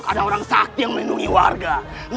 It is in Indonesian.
ada orang sakti yang melindungi warga